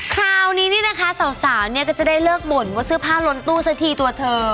คราวนี้นี่นะคะสาวเนี่ยก็จะได้เลิกบ่นว่าเสื้อผ้าล้นตู้สักทีตัวเธอ